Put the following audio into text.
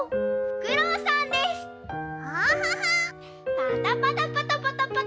パタパタパタパタパタ。